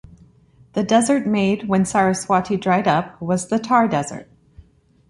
The desert made when Saraswati dried up was the Thar desert.